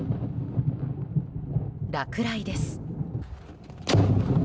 落雷です。